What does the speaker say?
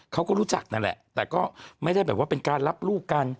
เขาก็รู้จักนั่นแหละแต่ก็ไม่ได้แบบว่าเป็นการรับลูกกัน